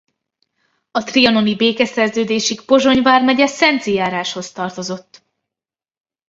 A trianoni békeszerződésig Pozsony vármegye Szenci járásához tartozott.